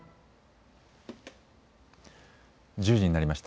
１０時になりました。